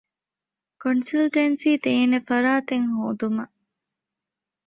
ކޮންސަލްޓެންސީދޭނެ ފަރާތެއް ހޯދުމަށް